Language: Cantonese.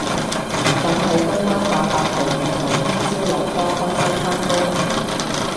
等睇今晚掛八號然後聽朝落波開心返工